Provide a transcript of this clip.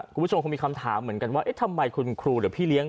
คุณผู้ชมคงมีคำถามเหมือนกันว่าเอ๊ะทำไมคุณครูหรือพี่เลี้ยง